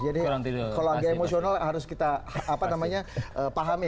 jadi kalau agak emosional harus kita pahami